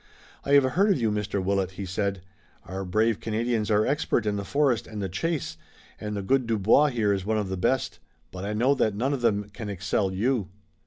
"I have heard of you, Mr. Willet," he said. "Our brave Canadians are expert in the forest and the chase, and the good Dubois here is one of the best, but I know that none of them can excel you."